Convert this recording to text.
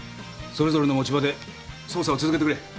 それぞれの持ち場で捜査を続けてくれ。